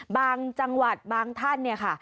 บางจังหวัดบางท่านเนี่ยค่ะ